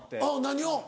何を？